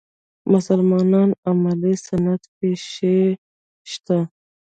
مسلمانانو عملي سنت کې شی شته.